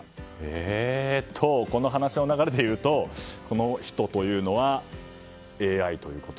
えっと、この話の流れで言うとこの人というのはＡＩということ？